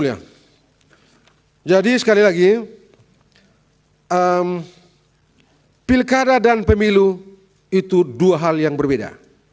yang jadi sekali lagi pilkada dan pemilu itu dua hal yang berbeda